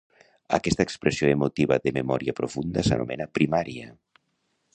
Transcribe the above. Aquesta expressió emotiva de memòria profunda s'anomena "primària".